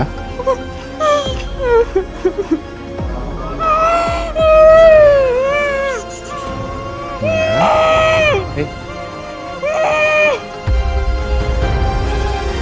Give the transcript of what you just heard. aku berharap kamu akan berjaya